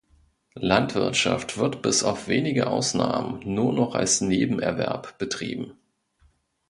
Landwirtschaft wird bis auf wenige Ausnahmen nur noch als Nebenerwerb betrieben.